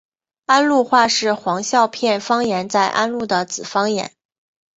安陆话是黄孝片方言在安陆的子方言。